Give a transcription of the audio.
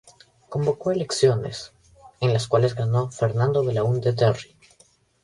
Convocó a elecciones, en las cuales ganó Fernando Belaúnde Terry.